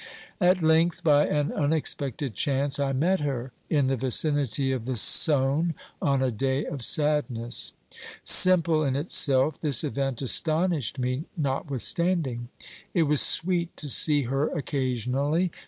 At length, by an unexpected chance, I met her in the vicinity of the Saone, on a day of sadness. Simple in itself, this event astonished me notwithstanding. It was sweet to see her occasionally.